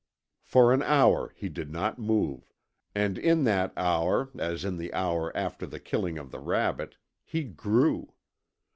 For an hour he did not move, and in that hour, as in the hour after the killing of the rabbit, he GREW.